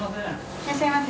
いらっしゃいませ。